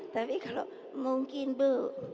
tapi kalau mungkin bu